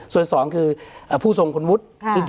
ส่วนที่๒คือผู้ทรงคนวุฒิ